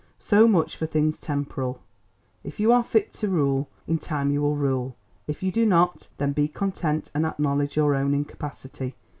So much for things temporal. If you are fit to rule, in time you will rule; if you do not, then be content and acknowledge your own incapacity.